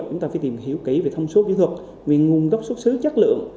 chúng ta phải tìm hiểu kỹ về thông số kỹ thuật về nguồn gốc xuất xứ chất lượng